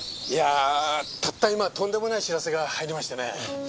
いやあたった今とんでもない知らせが入りましてね。